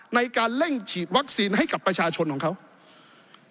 ในการเล่นฉีดวัคซีนให้ความสำคัญของประชาชน